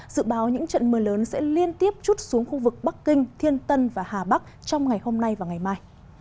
dự báo những trận mưa lớn sẽ liên tiếp chút xuống khu vực bắc kinh thiên tân và hà bắc trong ngày hôm nay và ngày mai